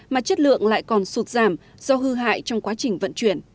mà chất lượng lại còn sụt giảm do hư hại trong quá trình vận chuyển